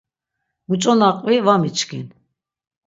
Muç̌o na qvi va miçkin?